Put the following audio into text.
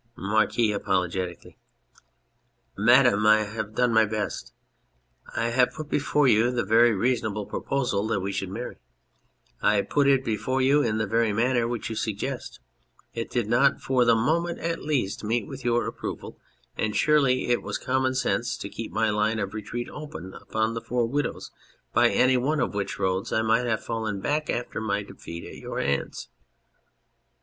MARQUIS (apologetically). Madam, I have done my best. I have put before you the very reasonable proposal that we should marry. I put it before you in the very manner which you suggest. It did not, for the moment at least, meet with your approval : and surely it was common sense to keep my line of retreat open upon the four widows, by any one of which roads I might have fallen back after my defeat at your hands.